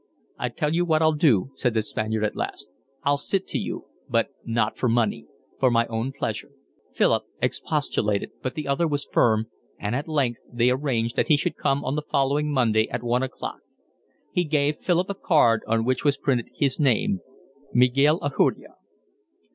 "I'll tell you what I'll do," said the Spaniard at last. "I'll sit to you, but not for money, for my own pleasure." Philip expostulated, but the other was firm, and at length they arranged that he should come on the following Monday at one o'clock. He gave Philip a card on which was printed his name: Miguel Ajuria.